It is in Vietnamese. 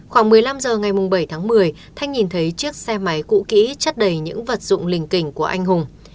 khoảng một mươi năm giờ ngày bảy tháng một mươi thanh nhìn thấy chiếc xe máy cũ kỹ chất đầy những vật dụng lình kình của anh hùng